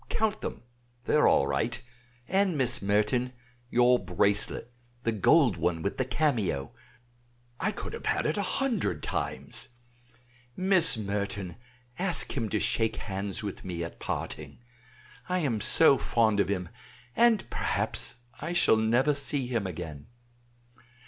"Count them, they are all right; and Miss Merton, your bracelet, the gold one with the cameo: I could have had it a hundred times. Miss Merton, ask him to shake hands with me at parting. I am so fond of him, and perhaps I shall never see him again.